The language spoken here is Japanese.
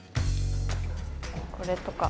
これとか。